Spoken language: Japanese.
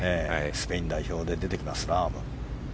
スペイン代表で出てきますラーム。